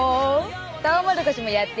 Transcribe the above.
トウモロコシもやってる。